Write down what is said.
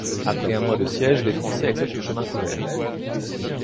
Après un mois de siège, les Français accèdent au chemin couvert.